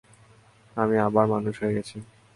আমি আবার মানুষ হয়ে গেছি।